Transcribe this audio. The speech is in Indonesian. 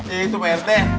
itu pak rt